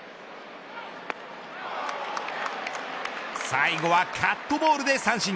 最後はカットボールで三振。